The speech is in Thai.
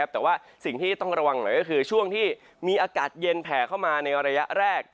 แต่ว่าสิ่งที่ต้องระวังหน่อยก็คือช่วงที่มีอากาศเย็นแผ่เข้ามาในระยะแรก